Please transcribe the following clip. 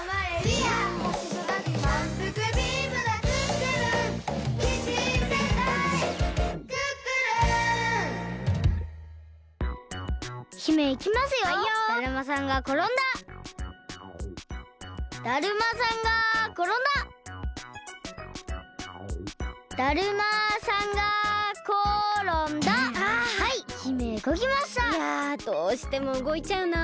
いやどうしてもうごいちゃうな。